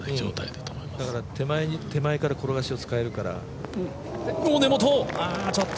だから手前から転がしを使えるから。